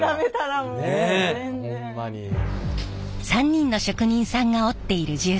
３人の職人さんが織っている絨毯